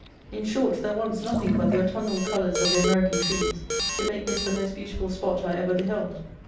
In short, there wants nothing but the autumnal colours of the American trees to make this the most beautiful spot I ever beheld.